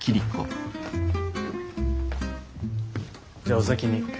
じゃあお先に。